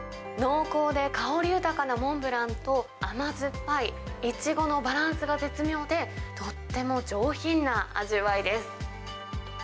濃厚で香り豊かなモンブランと、甘酸っぱいイチゴのバランスが絶妙で、とっても上品な味わいです。